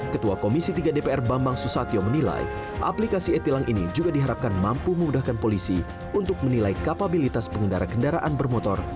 ketua komisi tiga dpr bambang susatyo menilai aplikasi e tilang ini juga diharapkan mampu memudahkan polisi untuk menilai kapabilitas pengendara kendaraan bermotor